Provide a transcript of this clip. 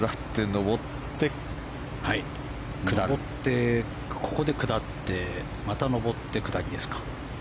上ってここで下ってまた上って下りですか。